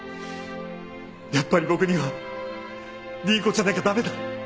やっぱり僕には倫子じゃなきゃ駄目だ！